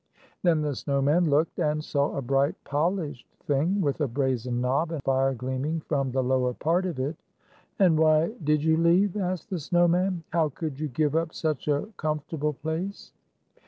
Then the snow man looked, and saw a bright polished thing with a brazen knob, and fire gleaming from the lower part of it. "And why did you leave?" asked the snow man. " How could you give up such a com fortable place?"